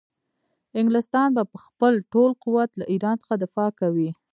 انګلستان به په خپل ټول قوت له ایران څخه دفاع کوي.